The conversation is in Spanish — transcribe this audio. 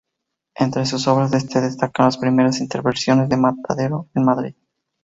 Entre sus obras se destacan las primeras intervenciones en Matadero Madrid.